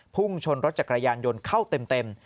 พุ่งชนรถจักรยานยนต์เข้าเต็ม